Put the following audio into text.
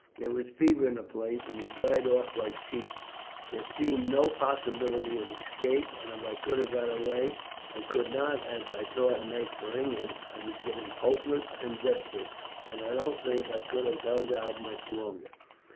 There was fever in the place, and we died off like sheep. There seemed no possibility of escape, and if I could have got away I could not, as I thought, make for England. I was getting hopeless and desperate, and I don't think I could have held out much longer.